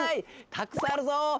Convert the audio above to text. たくさんあるぞ！